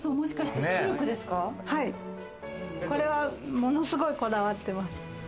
これはものすごくこだわってます。